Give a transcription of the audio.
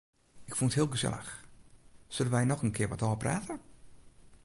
Ik fûn it heel gesellich, sille wy noch in kear wat ôfprate?